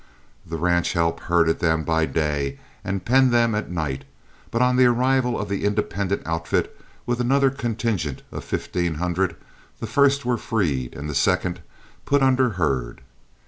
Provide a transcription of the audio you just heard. The ranch help herded them by day and penned them at night, but on the arrival of the independent outfit with another contingent of fifteen hundred the first were freed and the second put under herd.